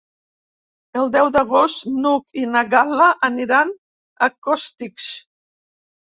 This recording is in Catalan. El deu d'agost n'Hug i na Gal·la aniran a Costitx.